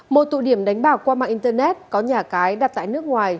một tụ điểm đánh bạc qua mạng internet có nhà cái đặt tại nước ngoài